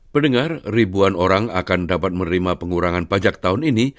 pendengar ribuan orang akan dapat menerima pengurangan pajak tahun ini